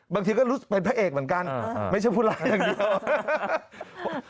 บางทีก็รู้สึกเป็นพระเอกเหมือนกันไม่ใช่ผู้ร้ายอย่างเดียว